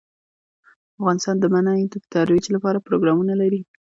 افغانستان د منی د ترویج لپاره پروګرامونه لري.